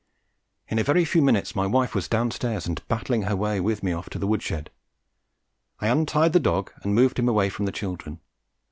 In a very few minutes my wife was downstairs and battling her way with me off to the wood shed. I untied the dog and moved him away from the children.